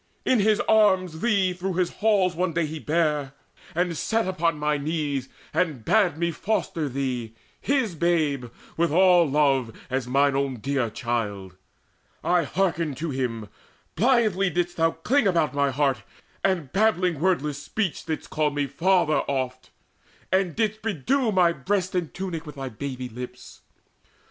In his arms Thee through his halls one day he bare, and set Upon my knees, and bade me foster thee, His babe, with all love, as mine own dear child: I hearkened to him: blithely didst thou cling About mine heart, and, babbling wordless speech, Didst call me `father' oft, and didst bedew My breast and tunic with thy baby lips.